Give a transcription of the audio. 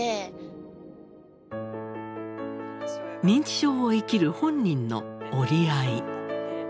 認知症を生きる本人の折り合い。